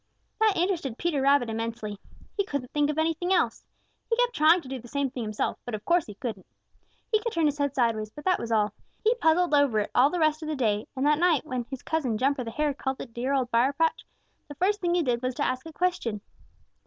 That interested Peter Rabbit immensely. He couldn't think of anything else. He kept trying to do the same thing himself, but of course he couldn't. He could turn his head sideways, but that was all. He puzzled over it all the rest of the day, and that night, when his cousin, Jumper the Hare, called at the dear Old Briar patch, the first thing he did was to ask a question.